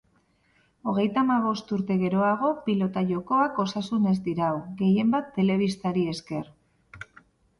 Hogeita hamabost urte geroago, pilota-jokoak osasunez dirau, gehienbat telebistari esker.